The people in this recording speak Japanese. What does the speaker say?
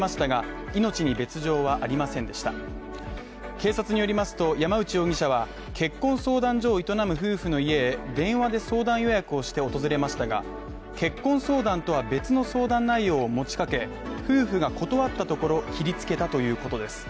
警察によりますと山内容疑者は結婚相談所を営む夫婦の家へ電話で相談予約をして訪れましたが結婚相談とは別の相談内容を持ちかけ夫婦が断ったところ切りつけたということです